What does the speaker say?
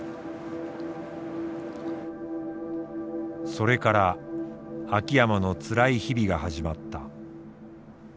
それから秋山のつらい日々が始まった。